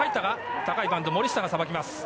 高いバウンド、森下がさばきます。